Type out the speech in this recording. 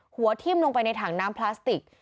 หัวทิ้มลงไปในถังน้ำพลาสติก